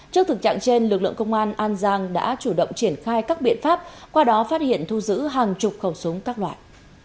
trước thực trạng trên lực lượng công an an giang đã chủ động triển khai các biện pháp qua đó phát hiện thu giữ hàng chục khẩu súng các loại